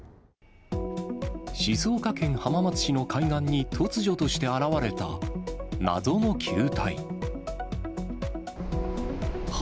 静岡県浜松市の海岸に突如として現れた、謎の球体。